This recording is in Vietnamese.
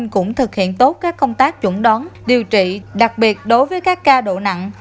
cũng thực hiện tốt các công tác chuẩn đoán điều trị đặc biệt đối với các ca độ nặng